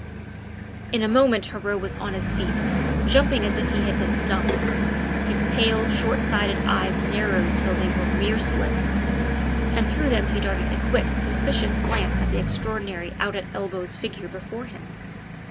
In a moment Heriot was on his feet, jumping up as if he had been stung; his pale, short sighted eyes narrowed till they were mere slits, and through them he darted a quick, suspicious glance at the extraordinary out at elbows figure before him.